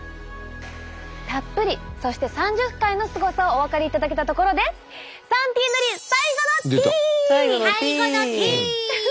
たっぷりそして３０回のすごさをお分かりいただけたところで３Ｔ塗り最後のＴ！